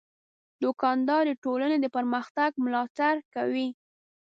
دوکاندار د ټولنې د پرمختګ ملاتړ کوي.